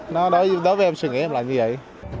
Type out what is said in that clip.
nó đối với em suy nghĩ em là như vậy